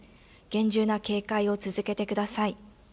厳重な警戒を続けてください。